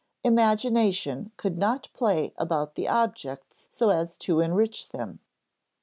Imagination could not play about the objects so as to enrich them.